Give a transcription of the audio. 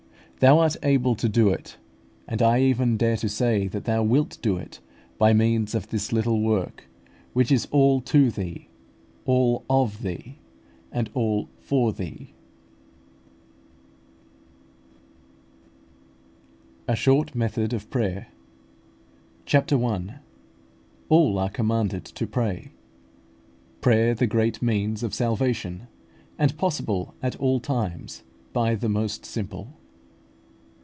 Thou art able to do it; and I even dare to say that Thou wilt do it, by means of this little work, which is all to Thee, all of Thee, and all for Thee. A SHORT METHOD OF PRAYER. CHAPTER I. ALL ARE COMMANDED TO PRAY PRAYER THE GREAT MEANS OF SALVATION, AND POSSIBLE AT ALL TIMES BY THE MOST SIMPLE.